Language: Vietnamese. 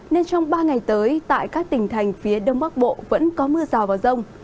nên trong ba ngày tới tại các tỉnh thành phía đông bắc bộ vẫn có mưa rào và rông